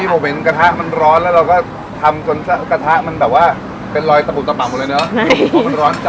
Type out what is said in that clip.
ผมเห็นกระทะมันร้อนแล้วเราก็ทำจนกระทะมันแบบว่าเป็นรอยตะปุกตะป่ำหมดเลยเนอะ